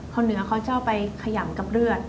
เหนือเขาจะเอาไปขยำกับเลือด